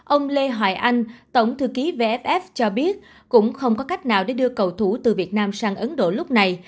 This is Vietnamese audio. ông lê hoài anh tổng thư ký vff cho biết cũng không có cách nào để đưa cầu thủ từ việt nam sang ấn độ lúc này